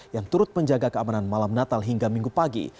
yang turut menjaga keamanan malam natal hingga minggu pagi